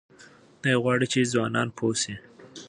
دی غواړي چې ځوانان پوه شي.